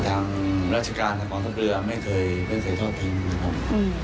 ทางราชการทางกองทัพเรือไม่เคยไม่เคยทอดทิ้งนะครับ